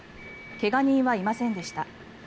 怪我人はいませんでした。